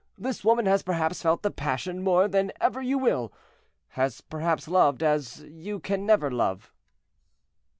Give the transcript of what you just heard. This woman has perhaps felt the passion more than ever you will—has perhaps loved as you can never love."